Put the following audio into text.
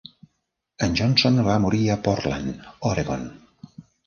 En Johnson va morir a Portland, Oregon.